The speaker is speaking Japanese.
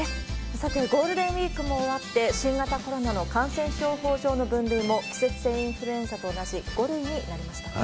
さて、ゴールデンウィークも終わって、新型コロナの感染症法上の分類も、季節性インフルエンザと同じ５類になりましたね。